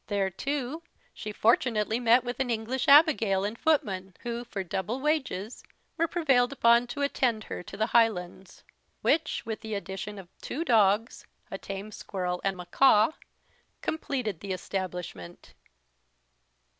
There, too, she fortunately met with an English Abigail and footman, who, for double wages, were prevailed upon to attend her to the Highlands; which, with the addition of two dogs, a tame squirrel, and mackaw, completed the establishment.